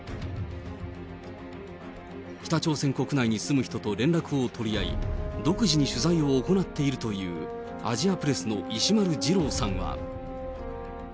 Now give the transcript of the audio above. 北朝鮮国内に住む人と連絡を取り合い、独自に取材を行っているというアジアプレスの石丸次郎さんは。